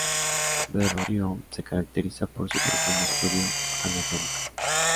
Verrocchio se caracteriza por su profundo estudio anatómico.